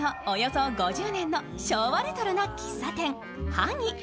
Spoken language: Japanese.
およそ５０年の昭和レトロな喫茶店、萩。